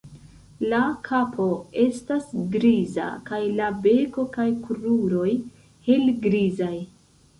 La kapo estas griza kaj la beko kaj kruroj helgrizaj.